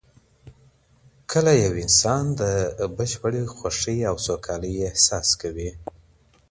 کله یو انسان د بشپړې خوښۍ او سوکالۍ احساس کوي؟